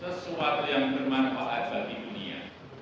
sesuatu yang bermanfaat bagi dunia